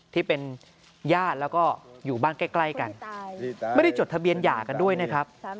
ที่เป็นญาติแล้วก็อยู่บ้านใกล้กันไม่ได้จดทะเบียนหย่ากันด้วยนะครับ